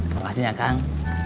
makasih ya kang